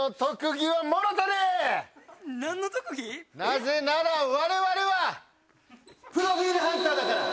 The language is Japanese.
なぜなら我々はプロフィールハンターだから。